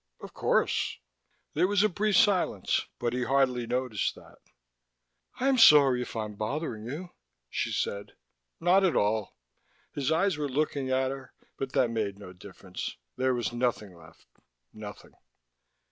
"Of course." There was a brief silence, but he hardly noticed that. "I'm sorry if I'm bothering you," she said. "Not at all." His eyes were looking at her, but that made no difference. There was nothing left, nothing.